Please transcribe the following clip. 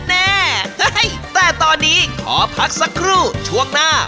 แน่แต่ตอนนี้ขอพักสักครู่ช่วงหน้า